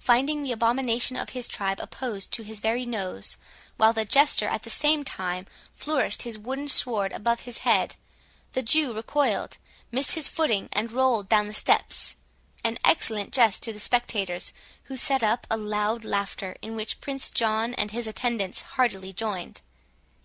Finding the abomination of his tribe opposed to his very nose, while the Jester, at the same time, flourished his wooden sword above his head, the Jew recoiled, missed his footing, and rolled down the steps,—an excellent jest to the spectators, who set up a loud laughter, in which Prince John and his attendants heartily joined.